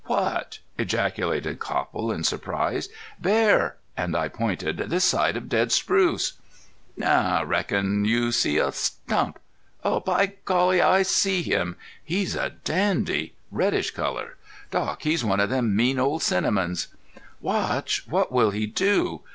"What?" ejaculated Copple, in surprise. "Bear!" and I pointed. "This side of dead spruce." "No!... Reckon you see a stump.... By Golly! I see him. He's a dandy. Reddish color.... Doc, he's one of them mean old cinnamons." "Watch! What will he do?